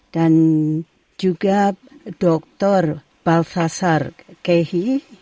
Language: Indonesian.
dan juga dr balthasar kehi